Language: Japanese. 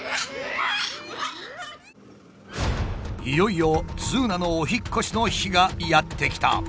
いよいよズーナのお引っ越しの日がやって来た。